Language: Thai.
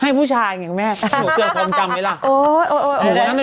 ให้ผู้ชายอย่างงี้คุณแม่หนูเกิดความจำไว้ล่ะโอ้ยโอ้ยโอ้ย